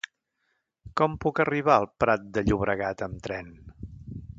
Com puc arribar al Prat de Llobregat amb tren?